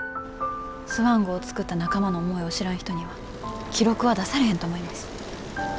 スワン号作った仲間の思いを知らん人には記録は出されへんと思います。